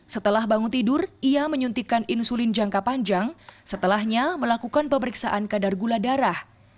setelah bangun tidur ia menyuntikkan insulin jangka panjang setelahnya melakukan pemeriksaan kadar gula darah